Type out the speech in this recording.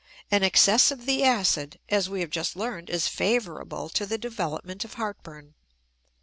An excess of the acid, as we have just learned, is favorable to the development of heartburn.